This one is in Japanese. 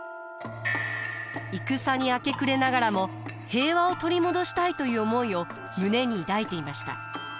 戦に明け暮れながらも平和を取り戻したいという思いを胸に抱いていました。